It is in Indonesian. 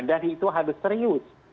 dan itu harus serius